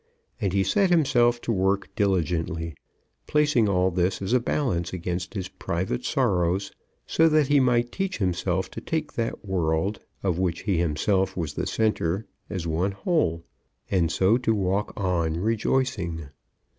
And he set himself to work diligently, placing all this as a balance against his private sorrows, so that he might teach himself to take that world, of which he himself was the centre, as one whole, and so to walk on rejoicing.